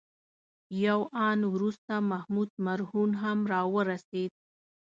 یو آن وروسته محمود مرهون هم راورسېد.